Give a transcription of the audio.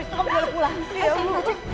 kamu boleh pulang